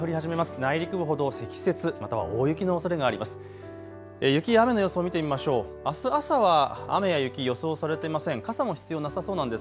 内陸ほど積雪、または大雪のおそれがあります。